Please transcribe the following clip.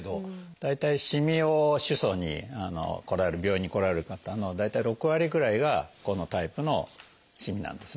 大体しみを主訴に病院に来られる方の大体６割ぐらいがこのタイプのしみなんですね。